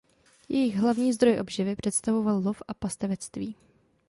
Jejich hlavní zdroj obživy představoval lov a pastevectví.